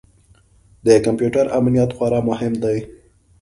د کمپیوټر امنیت خورا مهم دی.